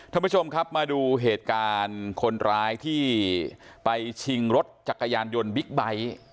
ท่านผู้ชมครับมาดูเหตุการณ์คนร้ายที่ไปชิงรถจักรยานยนต์บิ๊กไบท์